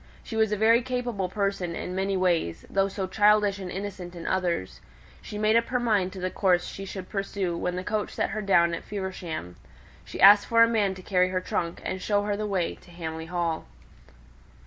She was a very capable person in many ways, though so childish and innocent in others. She made up her mind to the course she should pursue when the coach set her down at Feversham. She asked for a man to carry her trunk, and show her the way to Hamley Hall.